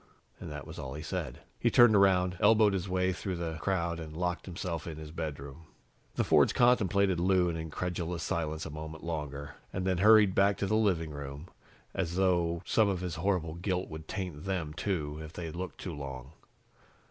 And that was all he said. He turned around, elbowed his way through the crowd and locked himself in his bedroom. The Fords contemplated Lou in incredulous silence a moment longer, and then hurried back to the living room, as though some of his horrible guilt would taint them, too, if they looked too long.